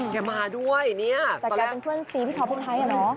แกมาด้วยเนี่ยแต่แกเป็นเพื่อนซีพี่ชาวเมืองไทยอ่ะเนอะ